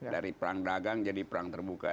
dari perang dagang jadi perang terbuka